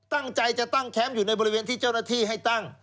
ตั้งใจจะตั้งแคมป์อยู่ในบริเวณที่เจ้าหน้าที่ให้ตั้ง